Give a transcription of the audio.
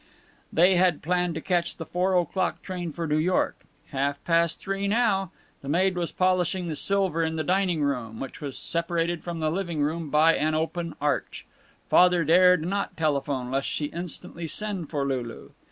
They had planned to catch the four o'clock train for New York. Half past three now. The maid was polishing the silver in the dining room, which was separated from the living room only by an open arch. Father dared not telephone, lest she instantly send for Lulu.